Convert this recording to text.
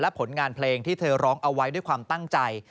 ผลงานเพลงที่เธอร้องเอาไว้ด้วยความตั้งใจ